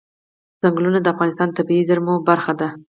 ځنګلونه د افغانستان د طبیعي زیرمو برخه ده.